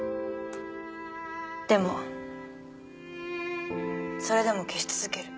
でもそれでも消し続ける。